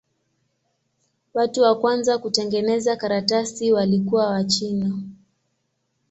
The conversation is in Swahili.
Watu wa kwanza kutengeneza karatasi walikuwa Wachina.